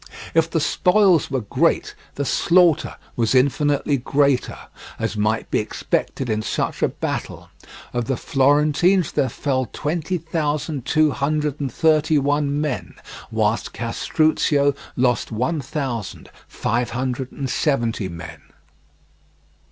If the spoils were great, the slaughter was infinitely greater, as might be expected in such a battle. Of the Florentines there fell twenty thousand two hundred and thirty one men, whilst Castruccio lost one thousand five hundred and seventy men.